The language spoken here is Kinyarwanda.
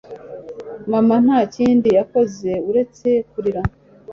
Mama nta kindi yakoze uretse kurira